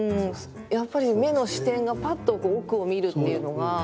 やっぱり目の視点がパッと奥を見るっていうのが。